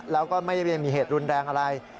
แล้วก็ไม่ได้มีเหตุรุนแรงอะไร